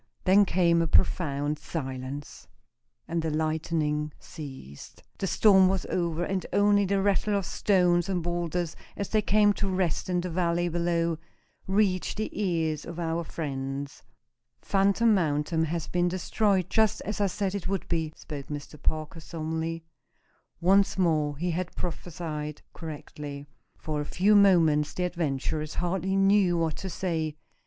Then came a profound silence, and the lightning ceased. The storm was over, and only the rattle of stones and boulders, as they came to rest in the valley below, reached the ears of our friends. "Phantom Mountain has been destroyed, just as I said it would be," spoke Mr. Parker, solemnly. Once more he had prophesied correctly. For a few minutes the adventurers hardly knew what to say.